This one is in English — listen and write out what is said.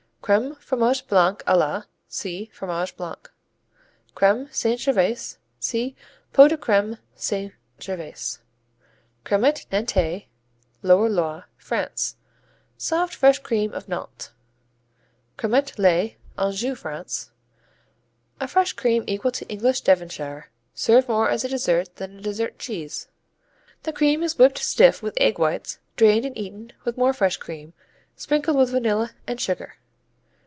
Crème, Fromage Blanc à la see Fromage Blanc. Crème St Gervais see Pots de Crème St Gervais. Crèmet Nantais Lower Loire, France Soft fresh cream of Nantes. Crèmets, les Anjou, France A fresh cream equal to English Devonshire, served more as a dessert than a dessert cheese. The cream is whipped stiff with egg whites, drained and eaten with more fresh cream, sprinkled with vanilla and sugar.